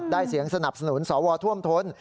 ได้เสียงสนับสนุนสวทวมทน